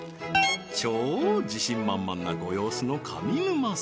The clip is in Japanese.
超自信満々なご様子の上沼様